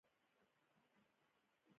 سیندونه خوږې اوبه لري.